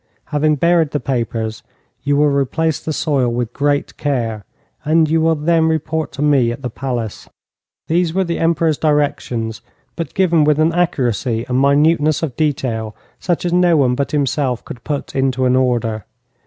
Having buried the papers, you will replace the soil with great care, and you will then report to me at the palace.' These were the Emperor's directions, but given with an accuracy and minuteness of detail such as no one but himself could put into an order.